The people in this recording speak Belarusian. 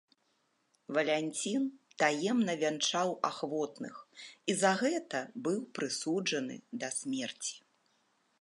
Валянцін таемна вянчаў ахвотных і за гэта быў прысуджаны да смерці.